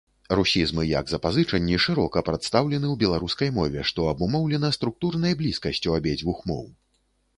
Русізмы як запазычанні шырока прадстаўлены ў беларускай мове, што абумоўлена структурнай блізкасцю абедзвюх моў.